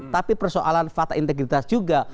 tapi persoalan fakta integritas juga